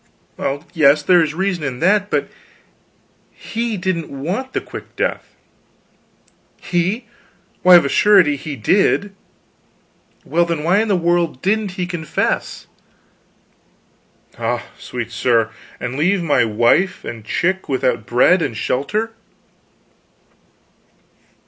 "Well yes, there is reason in that. But he didn't want the quick death." "He? Why, of a surety he did." "Well, then, why in the world didn't he confess?" "Ah, sweet sir, and leave my wife and chick without bread and shelter?"